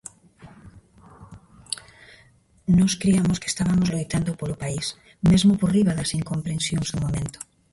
Nós criamos que estabamos loitando polo país, mesmo por riba das incomprensións do momento.